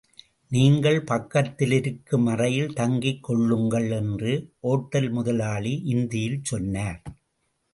நீங்கள் பக்கத்திலிருக்கும் அறையில் தங்கிக் கொள்ளுங்கள் என்று ஒட்டல் முதலாளி இந்தியில் சொன்னார்.